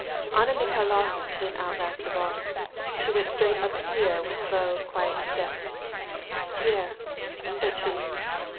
Anna Mikhailovna came out last of all. She went straight up to Pierre, with slow, quiet steps :" Pierre !" said she.